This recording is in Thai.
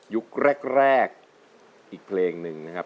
ยุคแรกอีกเพลงหนึ่งนะครับ